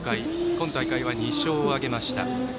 今大会は２勝挙げました。